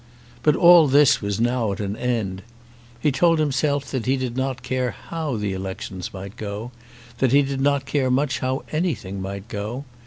But all this was now at an end. He told himself that he did not care how the elections might go; that he did not care much how anything might go.